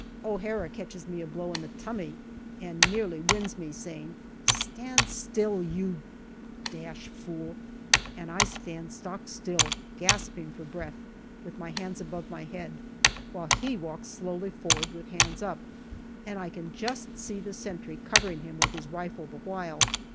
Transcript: O'Hara catches me a blow in the " tummy " and nearly winds me, saying, " Stand still, you fool," and I stand stock still, gasping for breath, with my hands above my head, while he walks slowly forward with hands up, and I can just see the sentry covering him with his rifle the while.